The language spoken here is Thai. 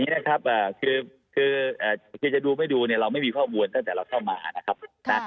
นะครับคือจะดูไม่ดูเนี่ยเราไม่มีข้อมูลตั้งแต่เราเข้ามานะครับ